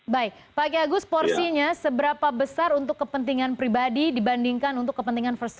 baik pak kia agus porsinya seberapa besar untuk kepentingan pribadi dibandingkan untuk kepentingan first